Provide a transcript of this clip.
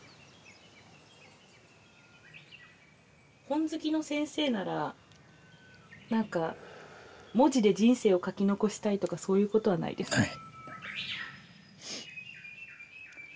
本好きの先生なら何か文字で人生を書き残したいとかそういうことはないですか？